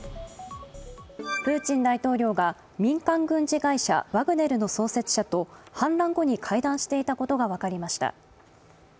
プーチン大統領が民間軍事会社ワグネルの創設者と反乱後に会談していたことが分かりました。